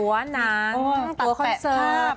ตัวหนังตัวคอนเสิร์ต